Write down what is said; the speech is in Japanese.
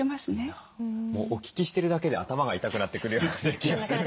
もうお聞きしてるだけで頭が痛くなってくるような気が。